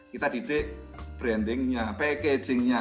kita didik brandingnya packagingnya